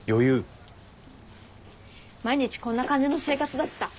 毎日こんな感じの生活だしさ。